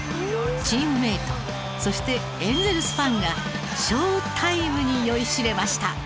チームメートそしてエンゼルスファンがショータイムに酔いしれました。